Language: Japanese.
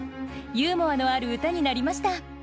ユーモアのある歌になりました。